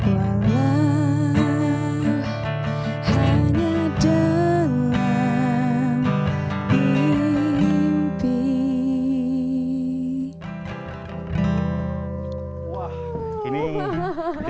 walau hanya dalam mimpi